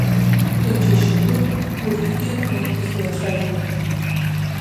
Иџьашьатәуп урҭ ирҳәо, излацәажәо.